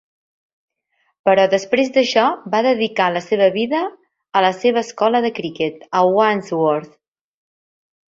Però després d"això va dedicar la seva vida a la seva escola de criquet a Wandsworth.